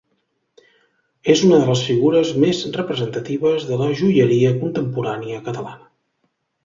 És una de les figures més representatives de la joieria contemporània catalana.